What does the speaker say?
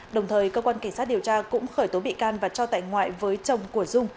đồng thời cơ quan cảnh sát điều tra cũng khởi tố bị can và cho tại ngoại với chồng của dung